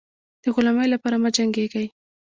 د غلامۍ لپاره مه جنګېږی.